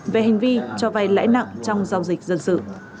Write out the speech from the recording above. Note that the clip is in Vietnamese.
về hình vi cho vai lãi nặng trong giao dịch dân sự